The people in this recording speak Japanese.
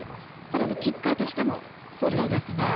更にキッカーとしても期待ですかね。